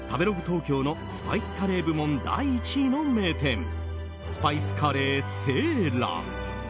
東京のスパイスカレー部門第１位の名店スパイスカレー青藍。